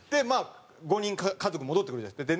５人家族戻ってくるじゃないですか。